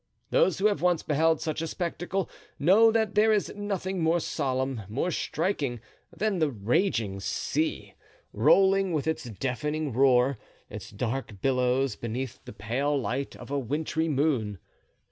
Those who have once beheld such a spectacle know that there is nothing more solemn, more striking, than the raging sea, rolling, with its deafening roar, its dark billows beneath the pale light of a wintry moon.